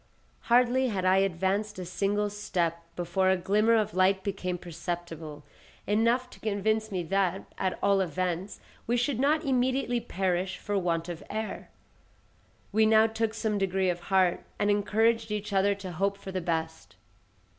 Hardly had I advanced a single step before a glimmer of light became perceptible, enough to convince me that, at all events, we should not immediately perish for want of air. We now took some degree of heart, and encouraged each other to hope for the best.